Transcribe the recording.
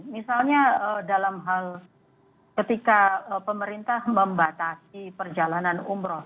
misalnya dalam hal ketika pemerintah membatasi perjalanan umroh